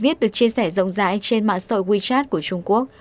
bài viết được chia sẻ rộng rãi trên mạng sội wechat của trung quốc